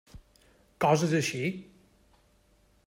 Coses així.